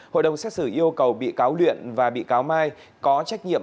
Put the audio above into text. hội đồng xét xử yêu cầu bị cáo luyện và bị cáo mai có trách nhiệm